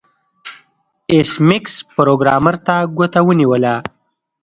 ایس میکس پروګرامر ته ګوته ونیوله